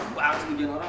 gue harus nungguin orang